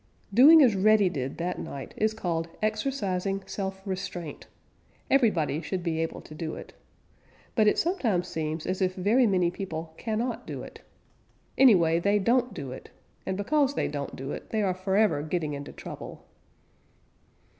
Doing as Reddy did that night is called exercising self restraint. Everybody should be able to do it. But it sometimes seems as if very many people cannot do it. Anyway, they don't do it, and because they don't do it they are forever getting into trouble.